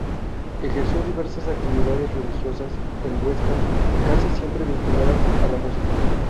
Ejerció diversas actividades religiosas en Huesca, casi siempre vinculadas a la música.